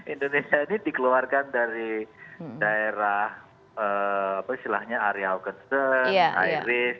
indonesia ini dikeluarkan dari daerah apa istilahnya arya hockenstern airis